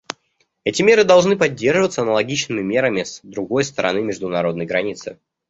Эти меры должны поддерживаться аналогичными мерами с другой стороны международной границы.